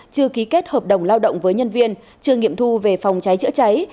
chưa ký kết hợp đồng lao động với nhân viên chưa nghiệm thu về phòng cháy chữa cháy